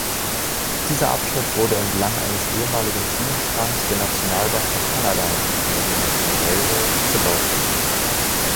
Dieser Abschnitt wurde entlang eines ehemaligen Schienenstrangs der Nationalbahn von Kanada ("Canadian National Railway") gebaut.